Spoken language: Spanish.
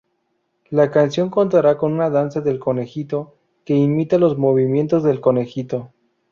La canción contará con una 'danza del conejito' que imita los movimientos del conejito.